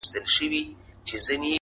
• د مېږیانو وې جرګې او مجلسونه,